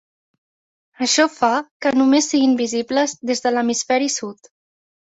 Això fa que només siguin visibles des de l'hemisferi sud.